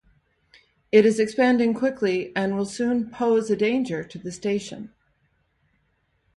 It is expanding quickly and will soon pose a danger to the station.